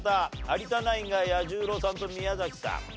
有田ナインが彌十郎さんと宮崎さん。